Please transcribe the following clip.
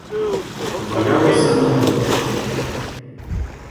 Валялося на горищі.